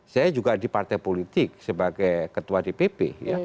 saya juga di partai politik sebagai ketua dpp